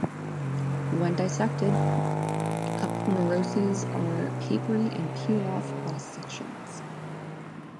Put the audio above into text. When dissected, aponeuroses are papery and peel off by sections.